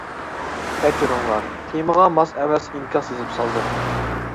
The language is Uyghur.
كەچۈرۈڭلار تېمىغا ماس ئەمەس ئىنكاس يېزىپ سالدىم.